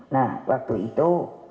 nah waktu itu